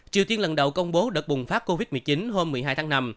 triều tiên lần đầu công bố đợt bùng phát covid một mươi chín hôm một mươi hai tháng năm